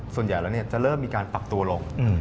ส่วนใหญ่แล้วจะเริ่มมีการปรับตัวลง